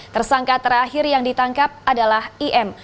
tersangka terakhir yang ditangkap adalah im